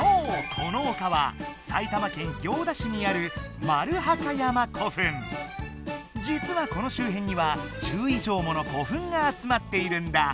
このおかは埼玉県行田市にあるじつはこのしゅうへんには１０以上もの古墳があつまっているんだ。